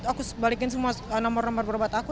aku balikin semua nomor nomor berobat aku